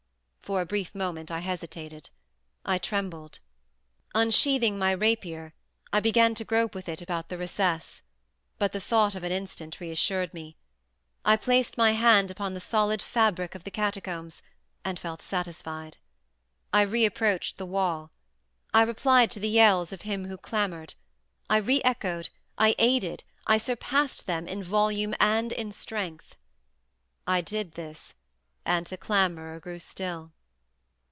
For a brief moment I hesitated—I trembled. Unsheathing my rapier, I began to grope with it about the recess; but the thought of an instant reassured me. I placed my hand upon the solid fabric of the catacombs, and felt satisfied. I reapproached the wall. I replied to the yells of him who clamored. I re echoed—I aided—I surpassed them in volume and in strength. I did this, and the clamorer grew still.